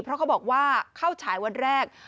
เพราะเขาบอกว่าเข้าฉายวันแรก